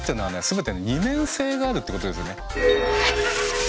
全て二面性があるってことですよね。